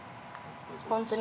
本当に。